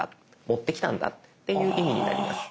持ってきたんだっていう意味になります。